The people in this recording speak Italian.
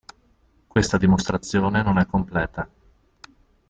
Questa dimostrazione non è completa.